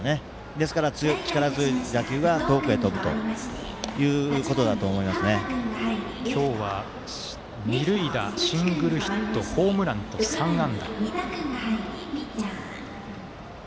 ですから、力強い打球が遠くへ飛ぶということだと今日は、二塁打シングルヒットホームランと３安打。